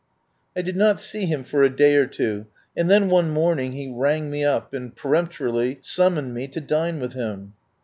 I did not see him for a day or two, and then one morning he rang me up and peremp torily summoned me to dine with him.